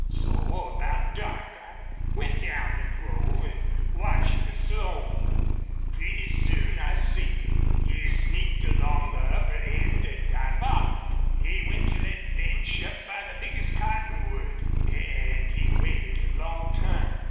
So about dark I went down the grove an' watched fer Slone. Pretty soon I seen him. He sneaked along the upper end an' I follered. He went to thet bench up by the biggest cottonwood. An' he waited a long time.